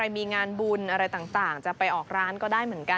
มีงานบุญอะไรต่างจะไปออกร้านก็ได้เหมือนกัน